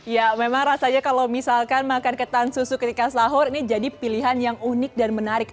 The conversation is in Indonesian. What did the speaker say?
ya memang rasanya kalau misalkan makan ketan susu ketika sahur ini jadi pilihan yang unik dan menarik